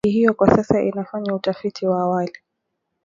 Benki hiyo kwa sasa inafanya utafiti wa awali